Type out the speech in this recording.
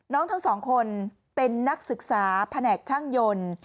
ทั้งสองคนเป็นนักศึกษาแผนกช่างยนต์